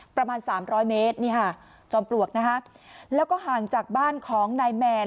ประมาณสามร้อยเมตรนี่ค่ะจอมปลวกนะฮะแล้วก็ห่างจากบ้านของนายแมน